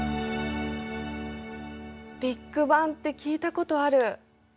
ビッグバンって聞いたことある。